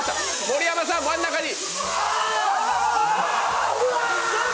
盛山さん、真ん中に！